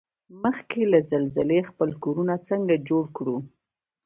مخکې له زلزلې خپل کورنه څنګه جوړ کوړو؟